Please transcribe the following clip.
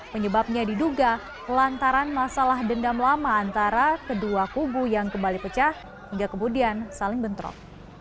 penyebabnya diduga lantaran masalah dendam lama antara kedua kubu yang kembali pecah hingga kemudian saling bentrok